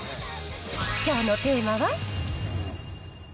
きょうのテーマは。